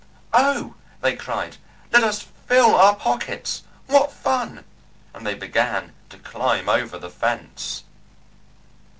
"Oh!" they cried, "let us fill our pockets. What fun!" and they began to climb over the fence.